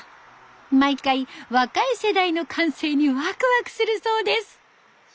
毎回若い世代の感性にワクワクするそうです。